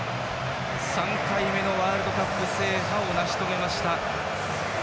３回目のワールドカップ制覇を成し遂げました。